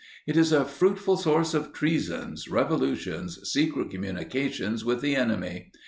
It is a fruitful source of treasons, revolutions, secret communications with the enemy.